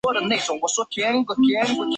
请问一下有不错的 ㄟＰＰ 吗